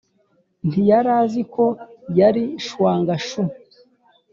ntiyari azi ko yari chuang chou.